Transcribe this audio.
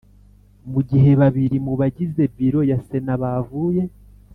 Mu gihe babiri mu bagize biro ya sena bavuye